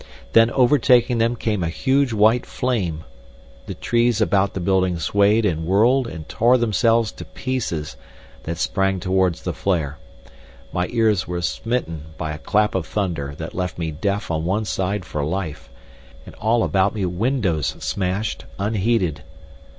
Then overtaking them came a huge white flame. The trees about the building swayed and whirled and tore themselves to pieces, that sprang towards the flare. My ears were smitten with a clap of thunder that left me deaf on one side for life, and all about me windows smashed, unheeded.